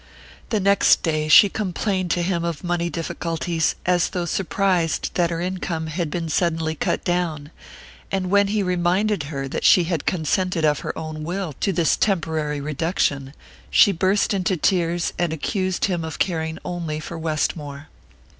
The next day she complained to him of money difficulties, as though surprised that her income had been suddenly cut down; and when he reminded her that she had consented of her own will to this temporary reduction, she burst into tears and accused him of caring only for Westmore.